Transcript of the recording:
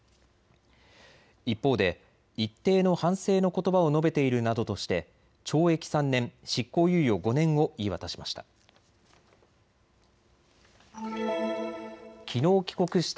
一方で一定の反省のことばを述べているなどとして懲役３年執行猶予５年を言い渡しました。